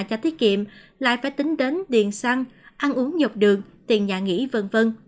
cho thiết kiệm lại phải tính đến tiền xăng ăn uống nhọc đường tiền nhà nghỉ v v